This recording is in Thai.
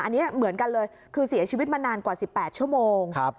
อันนี้เหมือนกันเลยคือเสียชีวิตมานานกว่า๑๘ชั่วโมง